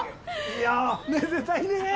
いやあめでたいねえ！